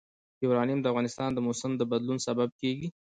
یورانیم د افغانستان د موسم د بدلون سبب کېږي.